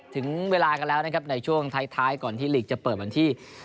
ถึงเวลากันแล้วนะครับในช่วงท้ายก่อนที่ลีกจะเปิดวันที่